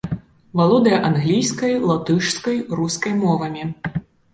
Валодае англійскай, латышскай, рускай мовамі.